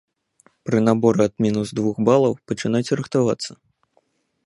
Пры наборы ад мінус двух балаў пачынайце рыхтавацца.